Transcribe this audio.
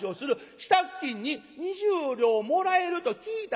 支度金に２０両もらえると聞いた途端に嫁さんが。